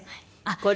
これ？